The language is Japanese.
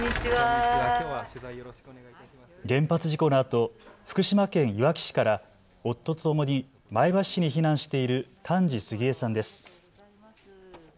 原発事故のあと福島県いわき市から、夫とともに前橋市に避難している丹治杉江さんです。